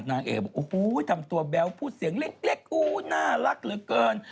นางเอกบอกโอ้โหทำตัวแบ๊วพูดเสียงเล็กอู้น่ารักเหลือเกิน